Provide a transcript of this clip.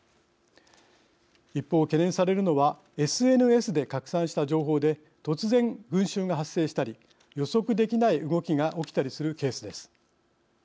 一方、懸念されるのはＳＮＳで拡散した情報で突然、群集が発生したり予測できない動きが起きたりするケースです。